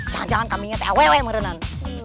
jangan jangan kambingnya tewewe mengerenan